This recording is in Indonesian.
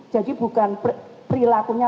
jadi bukan perilakunya